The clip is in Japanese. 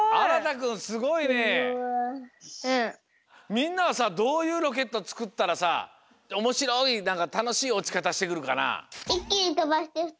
みんなはさどういうロケットつくったらさおもしろいなんかたのしいおちかたしてくるかな？